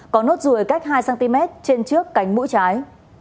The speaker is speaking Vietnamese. có nốt ruồi cách hai cm trên trước cánh mũi trái